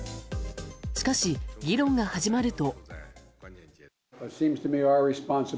しかし、議論が始まると。